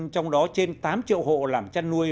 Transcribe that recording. trong đó trên tám triệu hộ làm chăn nuôi